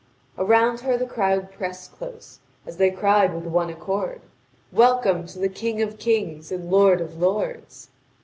Around her the crowd pressed close, as they cried with one accord: "Welcome to the King of kings and lord of lords!"